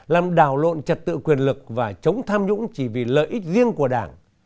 làm đảo lộn trật tự quyền lực và chống tham nhũng chỉ vì lợi ích riêng của đảng